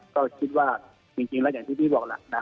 ก็คิดว่าจริงแล้วอย่างที่พี่บอกแหละนะ